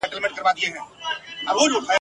قدم وهلو ته تللی وم ..